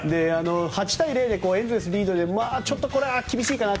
８対０でエンゼルスリードでこれは厳しいかな